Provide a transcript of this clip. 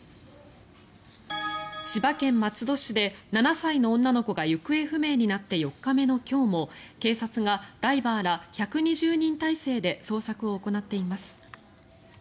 千葉県松戸市で７歳の女の子が行方不明になって４日目の今日も警察がダイバーら１２０人態勢で捜索を行っています。